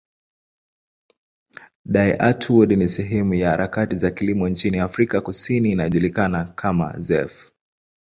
Die Antwoord ni sehemu ya harakati ya kilimo nchini Afrika Kusini inayojulikana kama zef.